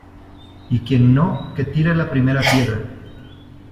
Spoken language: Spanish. y quien no, que tire la primera piedra.